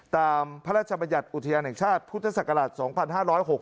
ตามพระราชบัญญัติอุทยานแห่งชาติพุทธศักราช๒๕๖๖